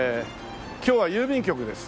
今日は郵便局です。